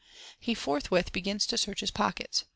He forthwith begins to search his pockets.